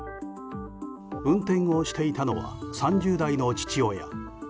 運転をしていたのは３０代の父親。